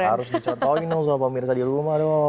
harus dicontohin dong sama pemirsa di rumah dong